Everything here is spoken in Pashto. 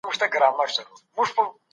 څنګه کولای سو ویزه د خپلو ګټو لپاره وکاروو؟